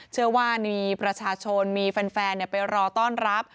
เชื่อว่ามีประชาชนมีแฟนไปรอต้อนรับ